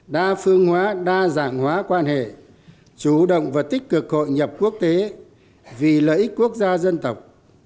đa phương hóa đa dạng hóa quan hệ chủ động và tích cực hội nhập quốc tế vì lợi ích quốc gia dân tộc